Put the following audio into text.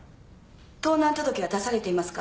盗難届は出されていますか？